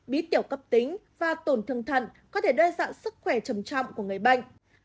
bí tiểu cấp tính và tổn thương thận có thể đe dọa sức khỏe trầm trọng của người bệnh